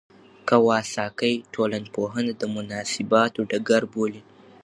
کواساکي ټولنپوهنه د مناسباتو ډګر بولي.